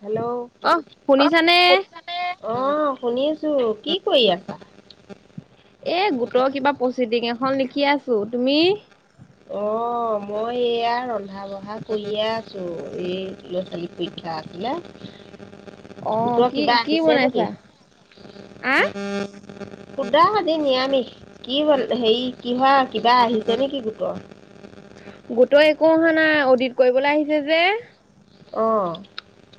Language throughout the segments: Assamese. হেল্ল' অ অ, শুনিছানে এ শুনিছানে? অহ, শুনিছো কি কৰি আছা? এ গোটৰ কিবা প্ৰচিডিং এখন লিখি আছো। তুমি? অ' মই এইয়া ৰন্ধা বঢ়া কৰিয়ে আছো। এই ল'ৰা-ছোৱালীৰ পৰীক্ষা আছিলে। অ গোটৰ কি কিবা কি আহিছে নেকি? বনাইছা আহ শুদা আজি নিৰামিষ। কি হ'ল, হেৰি, কি হয়, কিবা আহিছে নেকি গোটৰ? গোটৰ একো অহা নাই। অ'ডিত কৰিবলৈ আহিছে যে। অহ।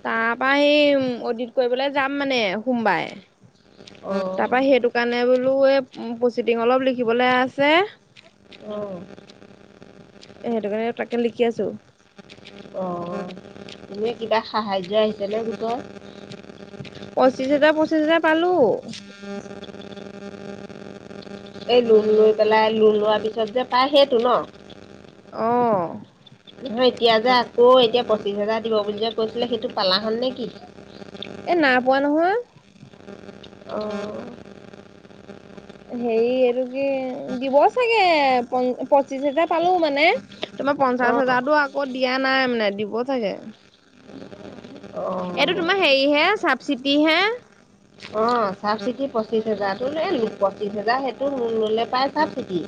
তাৰপা, সেই অ'ডিত কৰিবলৈ যাম মানে সোমবাৰে। অঁ তাৰপা সেইটো কাৰণে বোলো এই ম' প্ৰচিডিং অলপ লিখিবলে আছে। অ। সেইটো কাৰণে, তাকে লিখি আছো। অ'এনে কিবা সাহায্য আহিছে নে গোটত? পঁচিশ হাজাৰ, পঁচিশ হাজাৰ পালোঁ। [unintelligible] এই লোণ লৈ পেলাই, লোণ লোৱাৰ পিছত যে পাই সেইটো ন? অহ। হয়, এতিয়া যে আকৌ এতিয়া পঁচিছ হেজাৰ দিব বুলি যে কৈছিলে সেইটো পালা হ'ল নেকি? এ নাই পোৱা নহয়। অহ! হেৰি, এইটো কি দিব চাগে, প' পঁচিশ হাজাৰ পালো মানে। তোমাৰ পঞ্চাশ অঁ হাজাৰটো আকৌ দিয়া নাই মানে, দিব চাগে। এইটো অ', তোমাৰ হেৰি হে, চাবচিটি হে। অ চাবচিটী। পঁচিশ হেজাৰতো লে পঁচিশ হেজাৰ সেইটো লোণ ল'লে পাই চাবচিটি।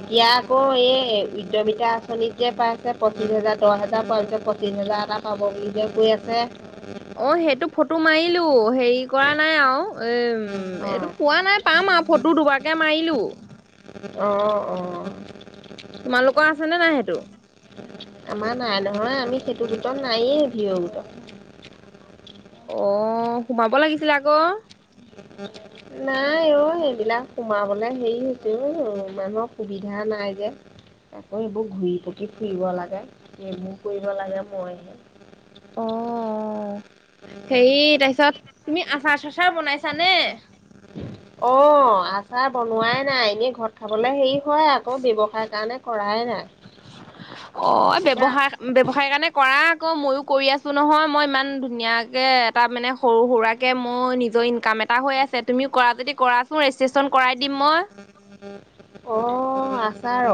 এতিয়া আকৌ এই- এ উদ্যমিতা আঁচনিত যে পাইছে পঁচিশ হাজাৰ, দহ হাজাৰ পোৱা পিছত পঁচিছ হাজাৰ এটা পাব বুলি যে কৈ আছে। অ সেইটো ফ'টো মাৰিলোঁ হেৰি কৰা নাই আৰু এই ওম, অ', এইটো পোৱা নাই। পাম আৰু ফ'টো দুবাৰকে মাৰিলো। অ, অহ। তোমালোকৰ আছেনে নাই সেইটো? আমাৰ নাই নহয়। আমি সেইটো গোটত নাইয়েই ভিও গোটত। অ'সোমাব লাগিছিলে আকৌ। নাই অ' সেইবিলাক সোমাবলে হেৰি হৈছে উম' মানুহ সুবিধা নাই যে। আকৌ এইবোৰ ঘূৰি পকি ফুৰিব লাগে। এইবোৰ কৰিব লাগে মইহে অ হেৰি তাৰপিছত তুমি আচাৰ চাচাৰ বনাইছানে? অ আচাৰ বনোৱাই নাই এনেই ঘৰত খাবলে হেৰি হয় আ আকৌ ব্যৱসায় কাৰণে কৰাই নাই। অ এতিয়া ব্যৱসায়, ব্যৱসায় কাৰণে কৰা আকৌ ময়ো কৰি আছো নহয়। মই ইমান ধুনীয়াকে এটা মানে সৰু সুৰাকে মই নিজ জৈন কাম এটা হৈ আছে। তুমি কৰা যদি কৰাচোন ৰেজিষ্ট্ৰেচন কৰাই দিম মই। অ অ আচাৰ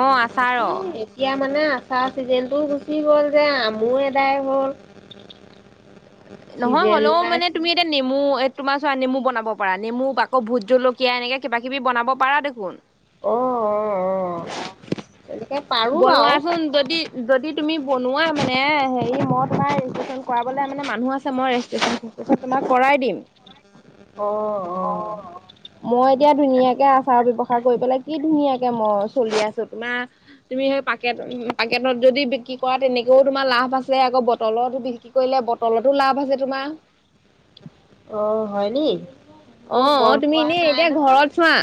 অ আচাৰৰ এতিয়া মানে আ চাৰ চিজনটো গুচি গ'ল যে, আমো এদাই হ'ল। নহয় চিজন হ'লেও বাই মানে চি তুমি এতিয়া নেমু তোমাৰ চোৱা নেমু বনাব পাৰা, নেমু আকৌ ভোট জলকীয়া এনেকে কিবা কিবি বনাব পাৰ দেখোন। অ অ অ তেনেকে পাৰো বাৰু বনোৱাচোন যদি, যদি তুমি বনোৱা মানে হেৰি মই তোমাৰ ৰেজিষ্ট্ৰেচন কৰাবলে মানে মানুহ আছে মই ৰেজিষ্ট্ৰেচন তোমাক কৰাই দিম। অ অ মই এতিয়া ধুনীয়াকে আচাৰ ব্যৱসায় কৰি পেলাই কি ধুনীয়াকে মই চলি আছো। তোমাৰ তুমি সেই পাকেট পাকেটত যদি বিক্ৰী কৰা তেনেকেও তোমাৰ লাভ আছে। আকৌ বটলতো বিক্ৰী কৰিলে বটলতো লাভ আছে তোমাৰ। অ হয় নি? অ অ তুমি এনেই এতিয়া ঘৰত চোৱা,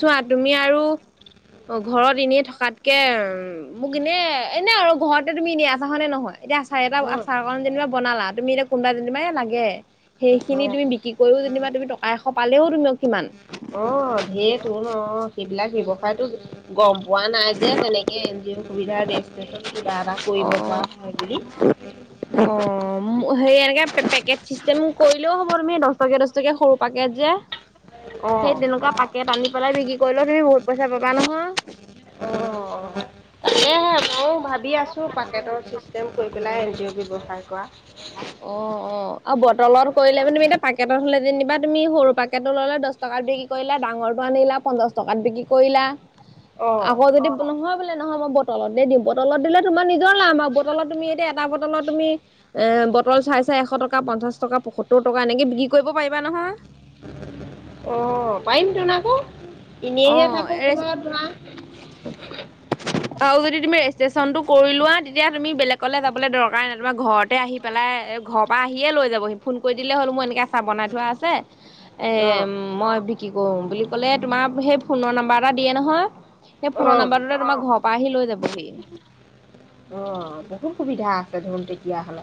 চোৱা তুমি আৰু অ ঘৰত এনেই থকাত কে মোক এনে এনে আৰু ঘৰতে তুমি এন আছা হয় নে নহয়? এতিয়া এটা অ', আচাৰ কাণ যেনিবা বনালা। তুমি এতিয়া কোনোবা যেনিবা এ লাগে সেইখিনি অ'। তুমি বিক্ৰী কৰিও যেনিবা তুমি টকা এশ পালেও তুমি কিমান। অ', সেইতো গম পোৱা নাই যে, তেনেকে এন জি অ'ৰ সুবিধা ৰেজিষ্ট্ৰেচন কিবা এটা কৰিব পৰা অ'। হয় বুলি। হেৰি এনেকে পেকেট চিষ্টেম কৰিলেও হ'ব। তুমি দহ টকীয়া দহ টকীয়া সৰু পেকেট যে সেই অ'। তেনেকুৱা পেকেট পাকেত আনি পেলাই বিক্ৰী কৰিলেও তুমি বহুত পইচা পাবা নহয়। অ', তাকেহে ময়ো ভাবি আছো পাকেটৰ চিষ্টেম কৰি পেলাই এন জি অ ব্যৱসাৰ কৰা। অ', অ আৰু বটলত কৰিলে মানে তুমি এতিয়া পাকেটত হ'লে যেনিবা তুমি সৰু পাকেটটো ল'লে দহ টকা বিক্ৰী কৰিলে ডাঙৰটো আনিলা পঞ্চাশ টকাত বিক্ৰী কৰিলা। অ'। আকৌ যদি নহয় বোলে নহয়। মই বটলতে দিম। বটলত দিলে তোমাৰ নিজৰ লাভ, বটলত তুমি এতিয়া এটা বটলত তুমি এ বটল চাই চাই এশ টকা, পঞ্চাশ টকা, পয়সত্তৰ টকা এনেকে বিক্ৰী কৰিব পাৰিবা নহয়। অ অ পাৰিম তোন আকৌ এনেইহে থাকো অ', [unintelligible] আৰু যদি তুমি ৰেজিষ্ট্ৰেচনটো কৰি লোৱা। তেতিয়া তুমি বেলেগলে যাবলৈ দৰকাৰেই নাই। তোমাৰ ঘৰতে আহি পেলাই ঘৰৰ পৰা আহিয়ে লৈ যাবহি। ফোন কৰি দিলে হ'ল মোৰ এনেকৈ চাহ বনাই থোৱা আছে এ অ', মই বিক্ৰী কৰো বুলি ক'লে তোমাৰ সেই ফোনৰ নাম্বাৰ এটা দিয়ে নহয়, সেই ফোনৰ অ', নাম্বাৰটোতে তোমাৰ ঘৰৰ পৰা আহি লৈ যাবহি। অ বহুত সুবিধা আছে দেখোন তেতিয়াহ'লে।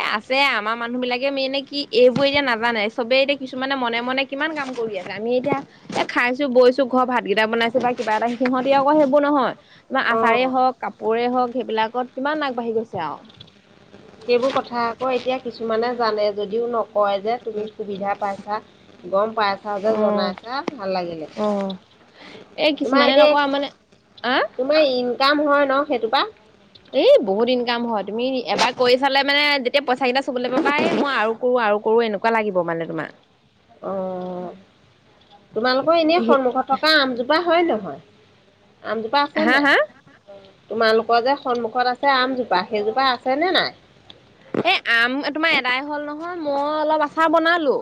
এ আছে আমাৰ মানুহ বিলাকে মেইন কি এইবোৰ এতিয়া নাজানে চবে এতিয়া কিছুমানে মনে মনে কিমান কাম কৰি আছে। আমি এতিয়া এ খাইছো, বৈছো ঘৰৰ ভাতকেইটা বনাইছো বা কিবা এটা, সিহঁতি আকৌ সেইবোৰ নহয় তোমাৰ আচাৰে অ'। হওক, কাপোৰে হওক, সেইবিলাকত কিমান আগবাঢ়ি গৈছে আৰু। [inaudible] সেইবোৰ কথা আকৌ এতিয়া কিছুমানে জানে যদিও নকয় যে তুমি সুবিধা পাইছা গম পাইছা যে অ', জনাইছা ভাল লাগিলে অ', এই তোমাৰ কিছুমানে নকৰা মানে আ, এতিয়া তোমাৰ ইনকাম হয় ন সেইটোৰপৰা এই বহুত ইনকাম হয় তুমি এবাৰ কৰি চালে মানে যেতিয়া পইচা কেইটা চুবলৈ পাবা এ মই আৰু কৰো আৰু কৰো এনেকুৱা লাগিব মানে তোমাৰ অ', তোমালোকৰ এনেই সন্মুখত থকা আমজোপা হয় নহয় আম জোপা আছে হা, হা, নাই তোমালোকৰ যে সন্মুখত আছে আমজোপা সেইজোপা আছে নে নাই এই আম তোমাৰ এদাই হল নহয় মই অলপ আচাৰ বনালো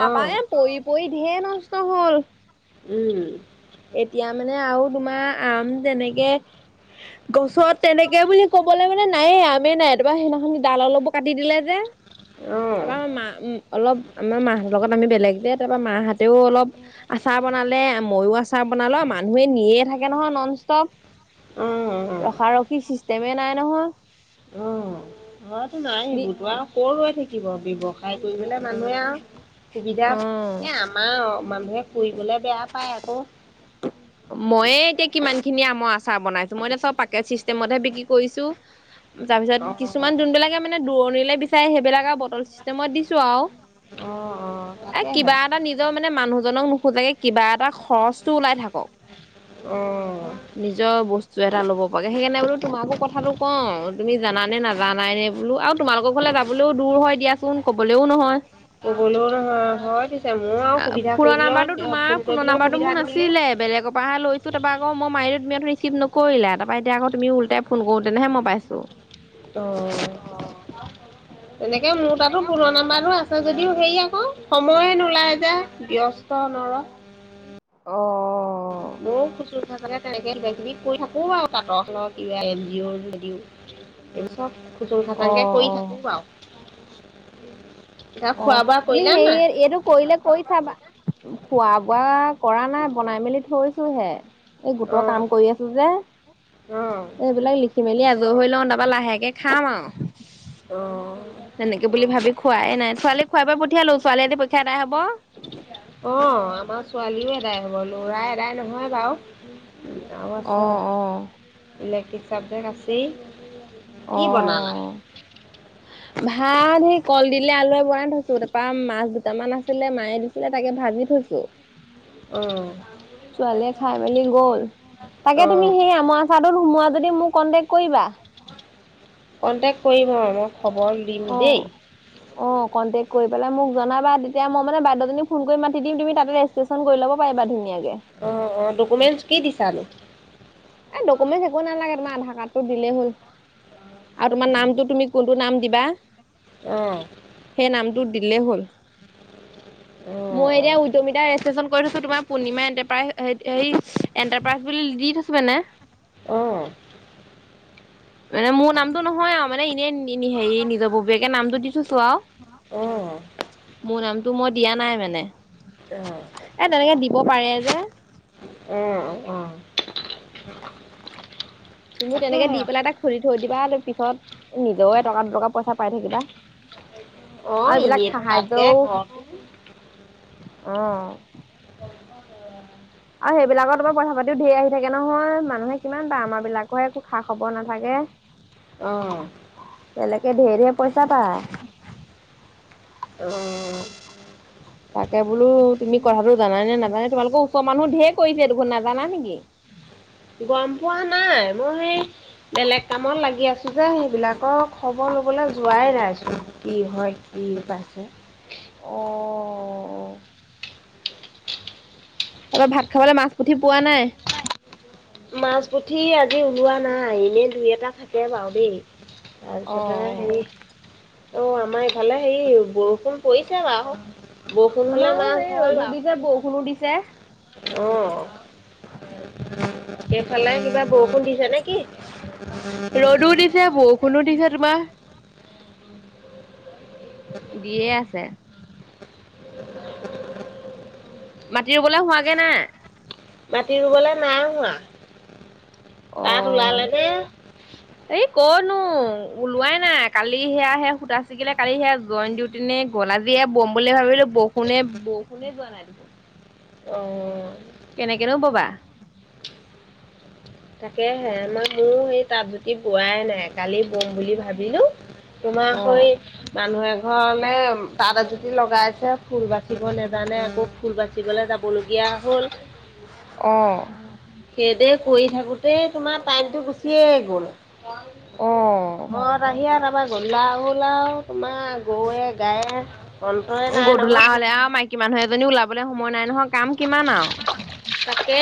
তাৰপা অঁ এ পৰি পৰি ধে নষ্ট হ'ল উম, এতিয়া মানে আৰু তোমাৰ আম তেনেকে গছত তেনেকে বুলি ক'বলৈ মানে নায়েই আমেই নাই তাপা সেইদিনাখনি ডাল অলপো কাটি দিলে যে [inaudible] তাৰপৰা মা অলপ আমাৰ মাহতৰ লগত আমি বেলেগ যে তাৰপৰা মাহঁতেও অলপ আচাৰ বনালে মইও আচাৰ বনালো মানুহে নিয়ে থাকে নহয় নন অঁ ষ্টপ অঁ ৰখাৰখি চিষ্টেমে নাই নহয় ঘতো নাই নি সিবোৰ তো আৰু কৰ ৰৈ থাকিব ব্যৱসায় কৰিবলে মানুহে আৰু সুবিধা অ এ আমাৰ মানুহে ফুৰিবলে বেয়া পায় আকৌ ময়ে এতিয়া কিমান খিনি আমৰ আচাৰ বনাইছো মই এতিয়া চব পেকেট চিষ্টেমতহে বিক্ৰী কৰিছো তাৰপিছত অঁ কিছুমান যোনবিলাকে মানে দূৰণিলৈ বিচাৰে সেইবিলাক আৰু বটল চিষ্টেমত দিছো আৰু অঁ অঁ এ তাকেহে কিবা এটা নিজৰ মানে মানুহজনক নোখোজাকে কিবা এটা খৰচটো ওলাই থাকক। অ', নিজৰ বস্তু এটা ল'ব পাগে সেইকাৰণে বোলো তোমাকো কথাটো কওঁ তুমি জান নে নাজানাই নে বোলো আৰু তোমালোকৰ ঘৰলে যাবলৈও দূৰ হয় দিয়াচোন কবলৈও নহয় ক'বলো হয় [unintelligible] আৰু অ সুবিধা ফোনৰ কৰিবলৈও নাম্বাৰটো তোমাৰ ফোন ফোনৰ কৰিবলৈও নাম্বাৰটো সুবিধা মোৰ নিমিলে নাছিলে বেলেগৰ পৰাহে তাপা আকৌ মই মাৰিলো তুমি ৰিচিব নকৰিলা তাপা এতিয়া আকৌ তুমি উলটাই ফোন কৰো তেনেহে মই পাইছো অ', তেনেকে মোৰ তাতো ফোনৰ নাম্বাৰটো আছে যদিও হেৰি আকৌ সময়ে নোলাই যে ব্যস্ত অ'। বহুত খুছ [unintelligible] তেনেকে [unintelligible] থাকো আৰু পৰৰ কিবা এন জি অৰ [unintelligible] এই চব খুসুং খাসংকে অ', কৰি অ', থাকো আৰু অ' বোৱা তুমি কৰিলা সেই নাই এইটো কৰিলে কৰি চাবা খোৱা বোৱা কৰা নাই বনাই মেলি থৈছো হে এই গোটৰ অঁ কাম কৰি আছো যে অঁ এইবিলাক লিখি মেলি আজৰি হৈ লওঁ তাৰপা লাহেকে খাম আৰু অঁ তেনেকে বুলি ভাবি খোৱাই নাই ছোৱালী খুৱাই বোৱাই পঠিয়ালো ছোৱালীয়ে আজি পৰীক্ষা আদাই হব। অ আমাৰ ছোৱালীও এদাই হ'ব, লৰা এদাই নহয় বাৰু- আৰু আছে অ', অ', ইলেক্ট্ৰিক চাবজেক্ট আছেই কি বনালা অ'। ভাত সেই কল দিলে আলুৱে বনাই থৈছো তাৰপা মাছ দুটামান আছিলে মায়ে দিছিলে তাকে ভাজি গুজো [unintelligible] [unintelligible] অ'। ছোৱালীয়ে খাই মেলি গ'ল তাকে অঁ তুমি সেই আমৰ সোমোৱা যদি মোক কণ্টেক্ট কৰিবা কণ্টেক্ট কৰিম আৰু মই খবৰ দিম অ', দেই। অ কণ্টেক্ট কৰি পেলাই মোক জনাবা তেতিয়া মই মানে বাইদেউজনী ফোন কৰি মাতি দিম তুমিা তাতে ৰেজিষ্ট্ৰেশ্যন কৰি ল'ব পাৰিবা। ধুনীয়াকে অ', অ' ডকুমেন্টচ কি দিছানো এই ডকুমেণ্ট একো নালাগে তোমাৰ আধাৰ কাৰ্ডটো দিলেই হ'ল আৰু তোমাৰ নামটো তুমি কোনটো নাম দিবা অঁ সেই নামটো দিলেই হ'ল অ', মই এতিয়া উদ্যমিতা ৰেজিষ্ট্ৰেশচন কৰি থৈছো তোমাৰ পূৰ্ণিমা এনটাৰপ্ৰাইজই এনটাৰপ্ৰাইজ বুলি দি থৈো মানে অঁ অঁ মানে মোৰ নামটো নহয় আৰু মানে এনেই হেৰি নিজৰ ববীয়াকে নামটো দি থৈছো আৰু অ', মোৰ নামটো মই দিয়া নাই মানে অঁ এ তেনেকে দিব পাৰে যে উম তুমিও তেনেকে দি পেলাই এটা খুলি থৈ দিবা তা পিছত নিজেওে এটকা দুটকা পইচা পাই থাকিবা আৰু অ', এইবিলাক এনেই তাতে সাহায্যও ঘৰ অ', আৰু সেইবিলাকৰ তোমাৰ পইচা পাতিও ঢেৰ আহি থাকে নহয় মানুহে কিমান পায় আমাৰ বিলাকৰহে একো খা খবৰ নাথাকে [unintelligible] অ', তেনেকে ঢে ঢে পইচা পায় অ' তাকে বোলো তুমি কথাটো জান নে নাজানে তোমালোকৰ ওচৰ মানুহ ধেৰ কৰিছে দেখোন নাজানা নেকি গম পোৱা নাই মই বেলেগ কামত লাগি আছো যে সেইবিলাকৰ খবৰ লবলৈ যোৱাই নাইছিল কি হয় পাইছে অ', তাৰপৰা ভাত খাবলৈ মাছ পুঠি পোৱা নাই মাছ পুঠি আজি ওলোৱা নাই এনে দুই এটা থাকে বাৰু দেই তাৰপিছতে অ' হেৰি অ' আমাৰ ইফালে হেৰি বৰষুণ কৰিছে বাৰু বৰষুণ হলে আমাৰো মাছ সেই হয় ৰ'দো বাৰু দিছে বৰষুণো দিছে। অ', ফালে কিবা বৰষুণ দিছে নেকি কোনো দিছে তোমাৰ দিয়ে আছে মাটি ৰুবলৈ হোৱাগে নাই মাটি ৰুবলৈ নাই হোৱা তাত অ'। ওলালে নে এই কনো ওলোৱাই নাই কালি সেয়া সে সূতা চিগিলে কালি সেয়া জইণ্ট ডিউটি নে গল আজি এ বম বুলি ভাবিলো বৰষুণে বৰষুণে যোৱা নাই দেখোন অ' কেনেকেনো ববা তাকেহে মই মোৰ এই তাঁত জুতি বোৱাই নাই কালি বম বুলি ভাবিলো তোমাৰ অ'। সৈ মানুহ এঘৰলে তাত এযু লগাইছে ফুল বাচিব নোজানে আকৌ ফুল বাচিবলৈ যাব লগীয়া হ'ল [unintelligible] অ', সেইদে কৰি থাকোতেই তোমাৰ টাইমতটো গুচিয়ে গ'ল অ'। মৰত আহি আহিয়ে তাপা গধুলা দল আউ তোমাৰ গৰুৱে গায়ে অন্তই নাই গধূলা নহয় হলে আৰু মাইকী মানুহ এজনী ওলাবলে সময় নাই নহয় কাম কিমান আৰু তাকে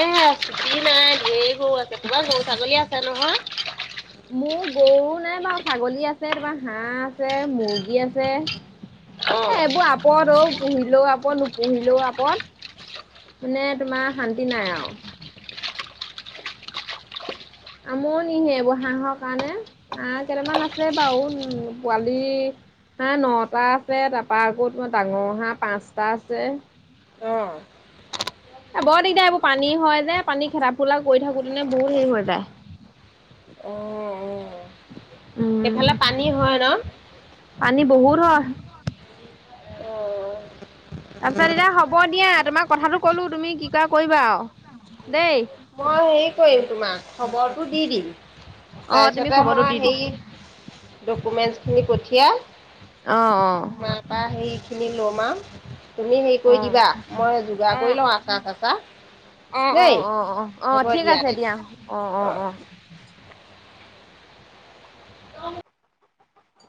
চুটি নাই ধেৰ গৰু আছে তোমাৰ গৰু ছাগলী আছে নহয় মোৰ গৰু নাই বাৰু ছাগলী আছে তাপা হাঁহ আছে মুৰ্গী আছে অ এ এইবোৰ আপদ অ', পুহিলেও আপদ নুপুহিলেও আপদ মানে তোমাৰ শান্তি নাই আৰু আমনিহে এইবোৰ হাঁহৰ কাৰণে হাঁহ কেইটামান আছে বাৰু উ পোৱালি হাঁহ নটা আছে। তাৰপা আকৌ তোমাৰ ডাঙৰ হাঁহ পাঁচটা আছে। অ বৰ দিগদাৰ এইবোৰ পানী হয় যে পানী খেদা ফলা কৰি থাকোতে এনে বহুত হেৰি হৈ যায়। এ উম। সেইফালে পানী হয় ন? পানী বহুত হয়। অ', তাৰপিছত এতিয়া হ'ব দিয়া তোমাক কথাটো ক'লো তুমি কি কৰা কৰিবা আৰু দেই। মই হেৰি কৰিম তোমাক। খবৰটো দি দিম। অ তুমি তাৰপিছতে খবৰটো মই দি দিবা সেই ডকুমেন্ট খিনি পঠিয়াল। অ অ মাৰাপা সেই খিনি লম আৰু তুমি হেৰি অ কৰি দিবা। মই যোগাৰ অ কৰি লওঁ আচাৰ চাচাৰ, অ অ দেই অ অ অ হ'ব ঠিক আছে তেতিয়া। দিয়া। অ অ অ